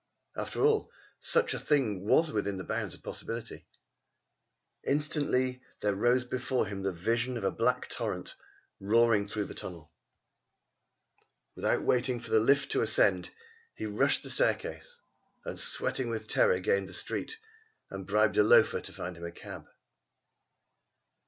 After all such a thing was within the bounds of possibility. Instantly there rose before him the vision of a black torrent roaring through the tunnel. Without waiting for the lift to ascend he rushed to the staircase, and sweating with terror gained the street and bribed a loafer to find him a cab.